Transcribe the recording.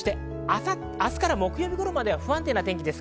明日から木曜日までは不安定な天気です。